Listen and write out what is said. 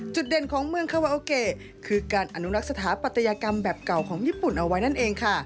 เด่นของเมืองคาวาโอเกะคือการอนุรักษ์สถาปัตยกรรมแบบเก่าของญี่ปุ่นเอาไว้นั่นเองค่ะ